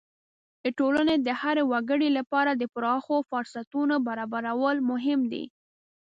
د ټولنې د هر وګړي لپاره د پراخو فرصتونو برابرول مهم دي.